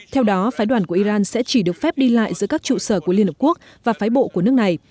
theo đó phái đoàn của iran sẽ chỉ được phép đi lại giữa các trụ sở của liên hợp quốc và phái bộ của nước này